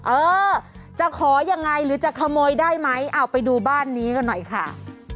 เออจะขอยังไงหรือจะขโมยได้ไหมเอาไปดูบ้านนี้กันหน่อยค่ะ